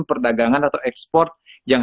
perdagangan atau ekspor yang